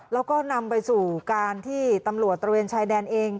แล้วก็นำไปสู่การที่ตำรวจตระเวนชายแดนเอง